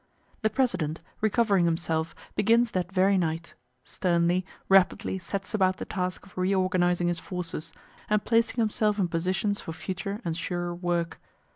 The President, recovering himself, begins that very night sternly, rapidly sets about the task of reorganizing his forces, and placing himself in positions for future and surer work.